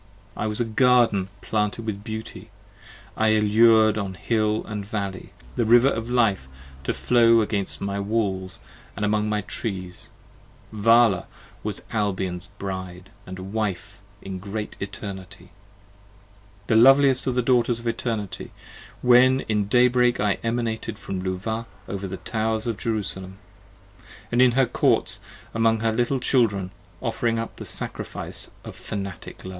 I was a Garden planted with beauty, I allured on hill & valley The River of Life to flow against my walls & among my trees. Vala was Albion's Bride & Wife in great Eternity: 40 The loveliest of the daughters of Eternity, when in day break I emanated from Luvah over the Towers of Jerusalem, And in her Courts among her little Children, offering up The Sacrifice of fanatic love!